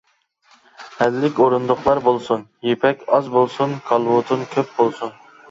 ھەللىك ئورۇندۇقلار بولسۇن. يىپەك ئاز بولسۇن. كالۋۇتۇن كۆپ بولسۇن.